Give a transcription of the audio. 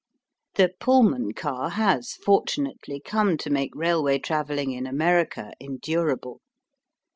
The Pullman car has fortunately come to make railway travelling in America endurable.